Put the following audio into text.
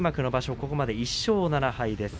ここまで１勝７敗。